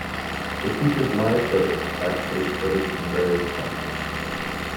It features live footage, backstage footage from various concerts.